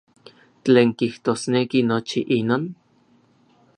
¿Tlen kijtosneki nochi inon?